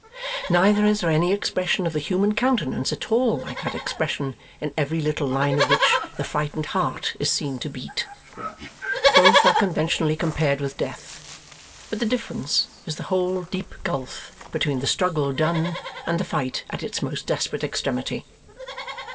Neither is there any expression of the human countenance at all like that expression in every little line of which the frightened heart is seen to beat. Both are conventionally compared with death; but the difference is the whole deep gulf between the struggle done, and the fight at its most desperate extremity.